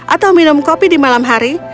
atau minum kopi di malam hari